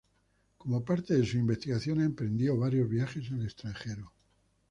Como parte de sus investigaciones, emprendió varios viajes al extranjero.